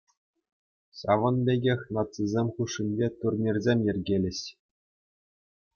Ҫавӑн пекех нацисем хушшинче турнирсем йӗркелӗҫ.